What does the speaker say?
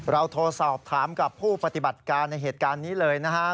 เราโทรสอบถามกับผู้ปฏิบัติการในเหตุการณ์นี้เลยนะครับ